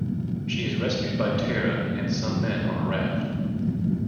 She is rescued by Tara and some men on a raft.